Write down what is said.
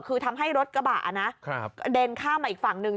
คือทำให้รถกระบะนะกระเด็นข้ามมาอีกฝั่งหนึ่ง